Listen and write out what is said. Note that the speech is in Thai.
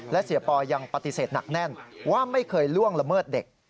และเสียปอยังปฏิเสธหนักแน่นว่าไม่เคยล่วงละเมิดเด็ก